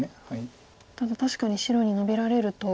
ただ確かに白にノビられると。